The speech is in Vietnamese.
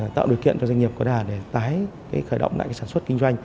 tạo điều kiện cho doanh nghiệp có đà để tái khởi động lại sản xuất kinh doanh